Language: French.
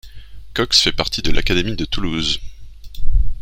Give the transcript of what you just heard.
Cox fait partie de l'académie de Toulouse.